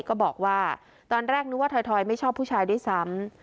ก็บอกว่าตอนแรกนึกว่าถอยไม่ชอบผู้ชายด้วยซ้ำ